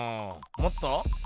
もっと？